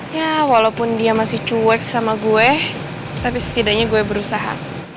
ya walaupun dia masih cuek sama gue tapi setidaknya gue berusaha